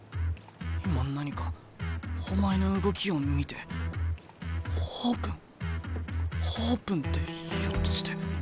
今何かお前の動きを見てオープンオープンってひょっとして。